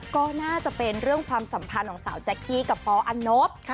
ก็น่าจะเป็นเรื่องความสัมพันธ์ของสาวแจ๊กกี้กับปออันนบ